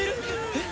えっ？